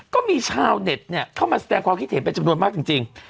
ก็มีชาวเน็ตเข้ามาแสดงความคิดเห็นเป็นจำนวนมากจริง